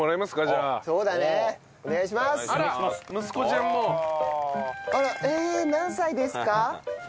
里久何歳ですか？